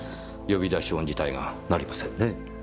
呼び出し音自体が鳴りませんね。